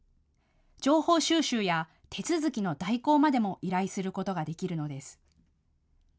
情報収集や手続きの代行までも依頼することができるのです。